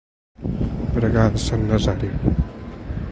Pregar a Sant Nazari.